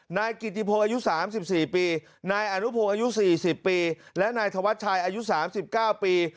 นายกิติพงศ์อายุ๓๔ปีนายอนุพงศ์อายุ๔๐ปีและนายธวัชชัยอายุ๓๙ปี